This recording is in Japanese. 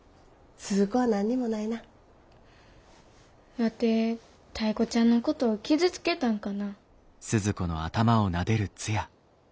ワテタイ子ちゃんのこと傷つけたんかな。